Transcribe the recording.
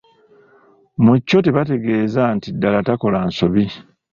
Mu kyo tebategeeza nti ddala takola nsobi.